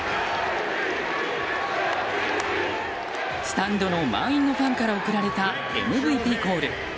スタンドの満員のファンから送られたＭＶＰコール。